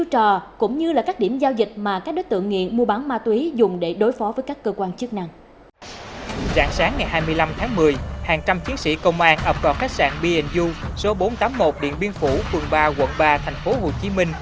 rạng sáng ngày hai mươi năm tháng một mươi hàng trăm chiến sĩ công an ập vào khách sạn b u số bốn trăm tám mươi một điện biên phủ quận ba quận ba tp hcm